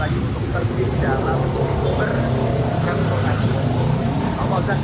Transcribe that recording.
dan kuberta sudah memberikan konsultasi yang ada